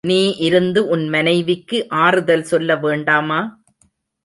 நீ இருந்து உன் மனைவிக்கு ஆறுதல் சொல்ல வேண்டாமா?